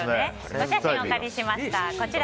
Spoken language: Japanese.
お写真お借りしました。